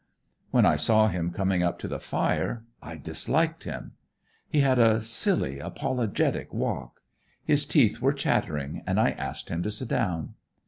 When I saw him coming up to the fire, I disliked him. He had a silly, apologetic walk. His teeth were chattering, and I asked him to sit down.